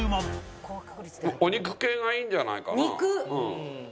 お肉系がいいんじゃないかな。